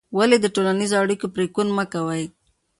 ولې د ټولنیزو اړیکو پرېکون مه کوې؟